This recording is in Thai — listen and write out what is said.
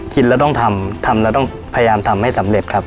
กินแล้วต้องทำทำแล้วต้องพยายามทำให้สำเร็จครับ